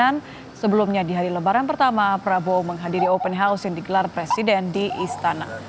dan sebelumnya di hari lebaran pertama prabowo menghadiri open house yang digelar presiden di istana